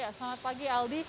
ya selamat pagi aldi